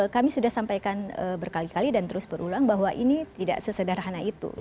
kami sudah sampaikan berkali kali dan terus berulang bahwa ini tidak sesederhana itu